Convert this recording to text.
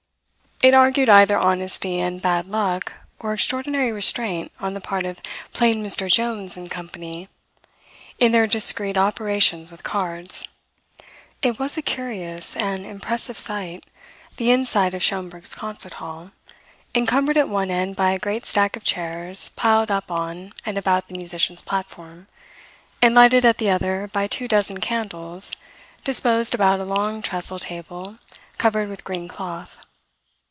It argued either honesty and bad luck or extraordinary restraint on the part of "plain Mr. Jones and Co." in their discreet operations with cards. It was a curious and impressive sight, the inside of Schomberg's concert hall, encumbered at one end by a great stack of chairs piled up on and about the musicians' platform, and lighted at the other by two dozen candles disposed about a long trestle table covered with green cloth.